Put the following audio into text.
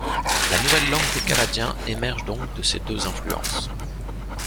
La nouvelle langue des Canadiens émerge donc de ces deux influences.